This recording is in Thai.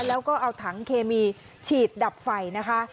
แล้วก็เอาถังเคมีฉีดดับไฟนะคะ